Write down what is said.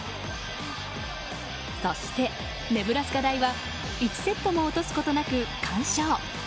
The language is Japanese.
そして、ネブラスカ大は１セットも落とすことなく完勝。